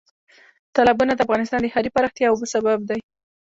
تالابونه د افغانستان د ښاري پراختیا یو سبب دی.